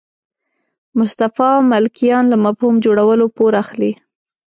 مصطفی ملکیان له مفهوم جوړولو پور اخلي.